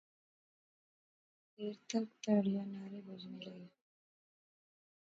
بہوں دیر تک تاڑیاں نعرے بجنے رہے